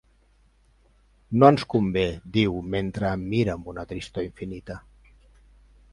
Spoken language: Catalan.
No ens convé —diu, mentre em mira amb una tristor infinita.